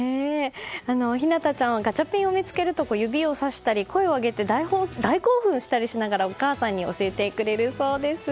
日凪多ちゃんはガチャピンを見つけると指をさしたり、声を上げて大興奮したりしながらお母さんに教えてくれるそうです。